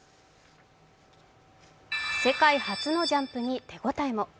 世界初のジャンプに手応えも。